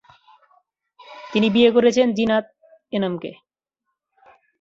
তিনি বিয়ে করেছেন জিনাত এনামকে।